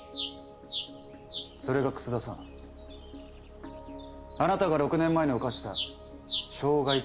それが楠田さんあなたが６年前に犯した傷害致死事件でしたね。